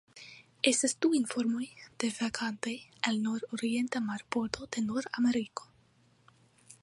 Estas du informoj de vagantoj el nordorienta marbordo de Nordameriko.